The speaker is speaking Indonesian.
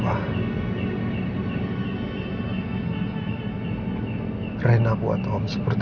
karena saya punya suasana tersebut